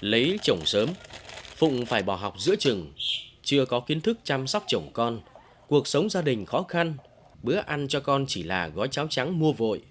lấy chồng sớm phụng phải bỏ học giữa trường chưa có kiến thức chăm sóc chồng con cuộc sống gia đình khó khăn bữa ăn cho con chỉ là gói cháo trắng mua vội